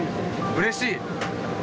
うれしい？